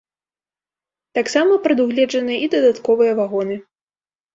Таксама прадугледжаныя і дадатковыя вагоны.